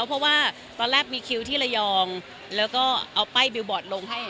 เพราะว่าตอนแรกมีคิวที่ระยองแล้วก็เอาป้ายบิลบอร์ดลงให้